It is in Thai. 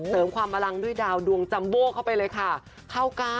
เสริมความอลังด้วยดาวดวงจัมโบ้เข้าไปเลยค่ะ